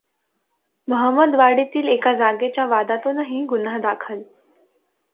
महंमदवाडीतील एका जागेच्या वादातूनही गुन्हा दाखल.